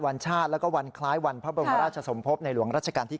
วันชาติแล้วก็วันคล้ายวันพระบรมราชสมภพในหลวงรัชกาลที่๙